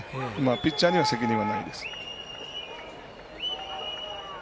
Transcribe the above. ピッチャーには責任がないです。